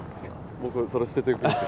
僕それ捨てていくんで